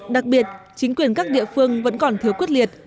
đặc biệt chính quyền các địa phương vẫn còn thiếu quyết liệt